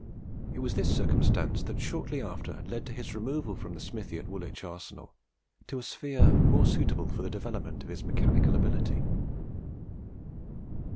It was this circumstance that shortly after led to his removal from the smithy in Woolwich Arsenal to a sphere more suitable for the development of his mechanical ability.